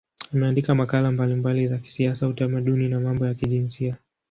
Ameandika makala mbalimbali za kisiasa, utamaduni na mambo ya kijinsia.